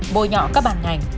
bồi nhọ các bàn ngành